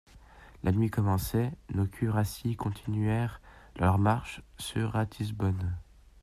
La nuit commençait ; nos cuirassiers continuèrent leur marche sur Ratisbonne.